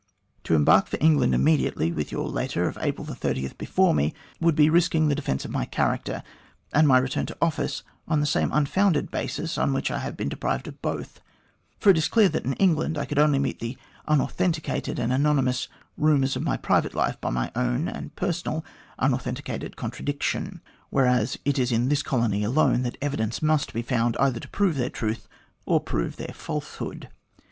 " To embark for England immediately with your letter of April 30 before me, would be risking the defence of my character, and my return to office, on the same unfounded basis on which I have been deprived of both ; for it is clear that in England I could only meet the unauthenticated and anonymous ' rumours of my private life' by my own and personal unauthenticated contradiction; whereas it is in this colony alone that evidence must be found either to prove their truth or prove their falsehood.